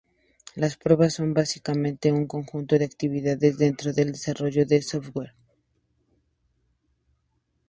Las pruebas son básicamente un conjunto de actividades dentro del desarrollo de software.